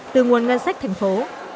từ nguồn ngân sách thành phố